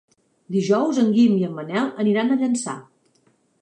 Dijous en Guim i en Manel aniran a Llançà.